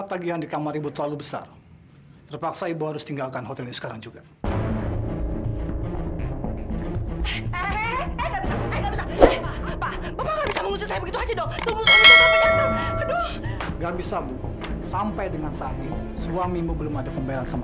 sampai jumpa di video selanjutnya